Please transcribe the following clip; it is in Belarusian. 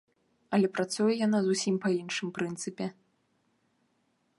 Але працуе яна зусім па іншым прынцыпе.